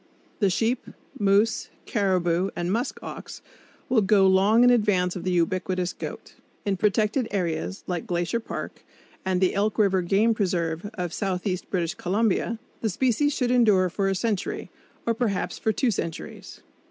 The sheep, moose, caribou and musk ox will go long in advance of the ubiquitous goat. In protected areas like Glacier Park and the Elk River Game Preserve of southeast British Columbia, the species should endure for a century, or perhaps for two centuries.